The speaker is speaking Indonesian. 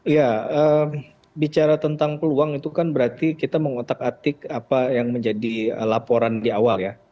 ya bicara tentang peluang itu kan berarti kita mengotak atik apa yang menjadi laporan di awal ya